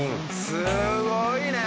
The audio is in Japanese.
すごいね！